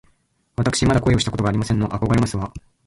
わたくしまだ恋をしたことがありませんの。あこがれますわ